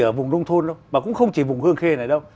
ở vùng nông thôn đâu mà cũng không chỉ vùng hương khê này đâu